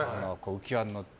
浮き輪に乗って。